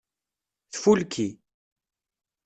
Tfulki.